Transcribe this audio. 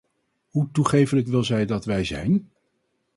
Hoe toegeeflijk wil zij dat wij zijn?